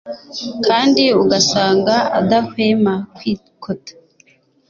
kandi ugasanga adahwema kwikota